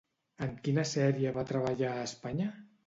En quina sèrie va treballar a Espanya?